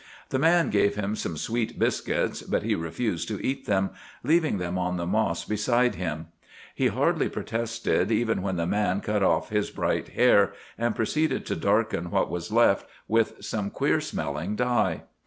The man gave him some sweet biscuits, but he refused to eat them, leaving them on the moss beside him. He hardly protested even when the man cut off his bright hair, and proceeded to darken what was left with some queer smelling dye.